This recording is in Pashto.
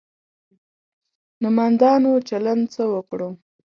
نومندانو چلند څه وکړو.